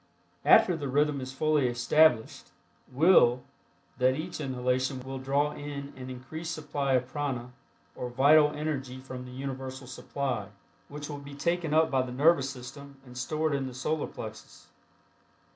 After the rhythm is fully established will that each inhalation will draw in an increased supply of prana or vital energy from the Universal supply, which will be taken up by the nervous system and stored in the Solar Plexus.